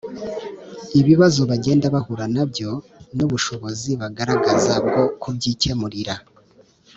ibibazo bagenda bahura na byo n'ubushobozi bagaragaza bwo kubyikemurira.